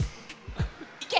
いけ！